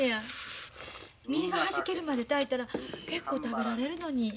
実がはじけるまで炊いたら結構食べられるのに。